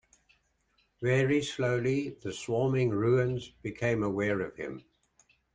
Very slowly the swarming ruins became aware of him.